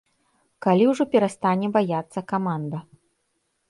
Калі ўжо перастане баяцца каманда?